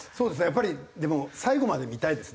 やっぱりでも最後まで見たいですね。